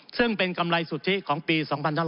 ซึ่งเป็นกำไรสุทธิของปี๒๕๕๙